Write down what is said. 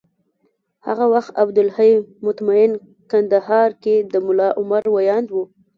هغه وخت عبدالحی مطمین کندهار کي د ملا عمر ویاند و